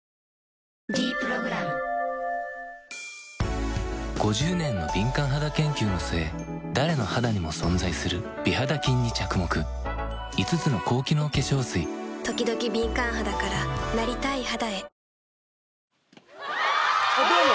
「ｄプログラム」５０年の敏感肌研究の末誰の肌にも存在する美肌菌に着目５つの高機能化粧水ときどき敏感肌からなりたい肌へどうも。